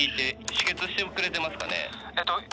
止血してくれてますかね？